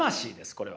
これは。